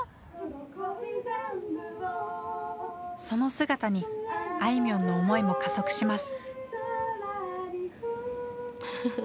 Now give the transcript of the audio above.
その姿にあいみょんの思いも加速します。